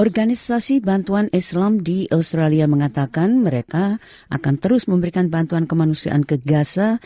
organisasi bantuan islam di australia mengatakan mereka akan terus memberikan bantuan kemanusiaan ke gaza